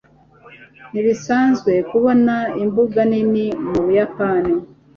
ntibisanzwe kubona imbuga nini mu buyapani